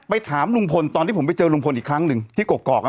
ไปถามลุงพลส์ตอนที่ผมไปเจอลุงพลส์อีกครั้งหนึ่งที่เกาะเกาะ